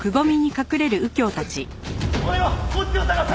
俺はこっちを捜す！